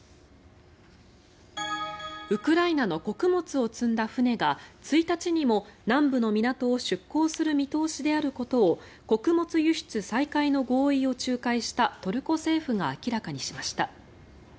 ウクライナの穀物を積んだ船が１日にも南部の港を出港する見通しであることを穀物輸出の再開の合意を仲介したトルコ政府が明らかにしました。